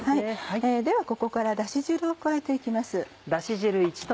ではここからだし汁を加えていきます。